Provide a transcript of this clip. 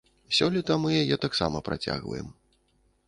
Сёлета мы яе таксама працягваем.